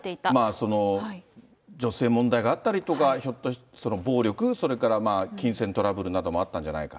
その女性問題があったりとか、ひょっとして暴力、金銭トラブルなどもあったんじゃないか。